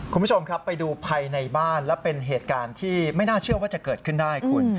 คุณผู้ชมครับไปดูภายในบ้านและเป็นเหตุการณ์ที่ไม่น่าเชื่อว่าจะเกิดขึ้นได้คุณ